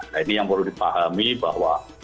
nah ini yang perlu dipahami bahwa